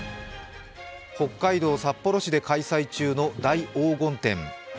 北海道札幌市で開催中の大黄金展。